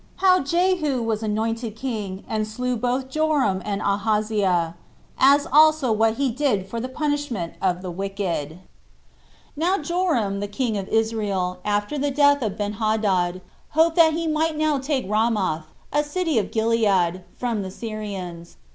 How Jehu Was Anointed King, And Slew Both Joram And Ahaziah; As Also What He Did For The Punishment Of The Wicked. 1. Now Joram, the king of Israel, after the death of Benhadad, hoped that he might now take Ramoth, a city of Gilead, from the Syrians.